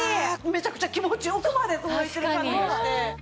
めちゃくちゃ気持ちいい奥まで届いてる感じがして。